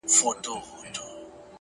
مهرباني د انسانیت ښکلی انځور دی!